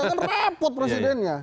itu kan rapot presidennya